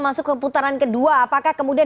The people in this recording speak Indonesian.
masuk ke putaran kedua apakah kemudian